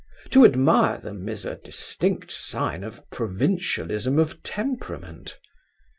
To admire them is a distinct sign of provincialism of temperament.